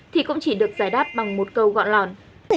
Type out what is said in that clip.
thì cũng chỉ được giải đáp bằng một câu gọn